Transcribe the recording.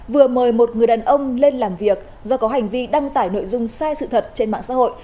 vừa mời một người đàn ông lên làm việc do có hành vi đăng tải nội dung sai sự thật trên mạng xã hội